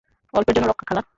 অল্পের জন্য রক্ষা, খালা।